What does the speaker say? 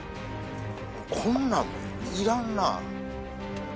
こんなんもいらんな。